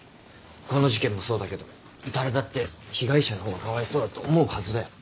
この事件もそうだけど誰だって被害者の方がかわいそうだと思うはずだよ。